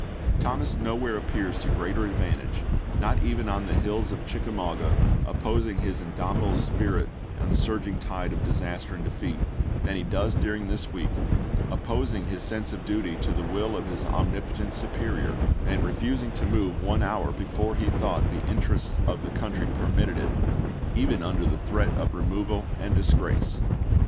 Thomas nowhere appears to greater advantage, not even on the hills of Chickamauga opposing his indomitable spirit to the surging tide of disaster and defeat, than he does during this week, opposing his sense of duty to the will of his omnipotent superior, and refusing to move one hour before he thought the interests of the country permitted it, even under the threat of FEANKLIN AND NASHVILLE 29 removal and disgrace.